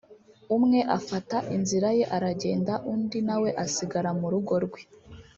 umwe afata inzira ye aragenda undi nawe asigara mu rugo rwe